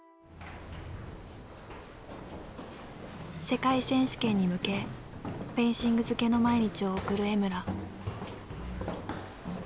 世界選手権に向けフェンシング漬けの毎日を送る江村。